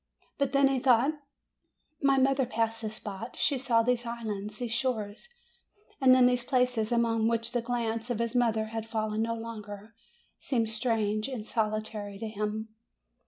But then he thought, "My mother passed this spot; she saw these islands, these shores"; and then these places upon which the glance of his mother had fallen no longer seemed strange and solitary to him.